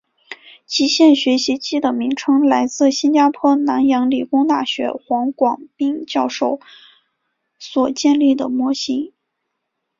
极限学习机的名称来自新加坡南洋理工大学黄广斌教授所建立的模型。